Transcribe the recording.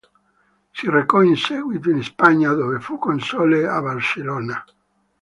Si recò in seguito in Spagna dove fu console a Barcellona.